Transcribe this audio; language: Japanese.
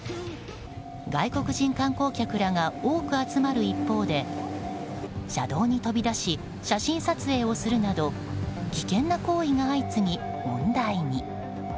外国人観光客らが多く集まる一方で車道に飛び出し写真撮影をするなど危険な行為が相次ぎ問題に。